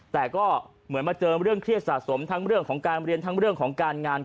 แต่ก็เหมือนมาเจอเรื่องเครียดสะสมทั้งเรื่องของการเรียนทั้งเรื่องของการงาน